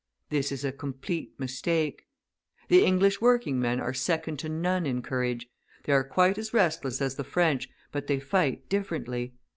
This is a complete mistake. The English working men are second to none in courage; they are quite as restless as the French, but they fight differently.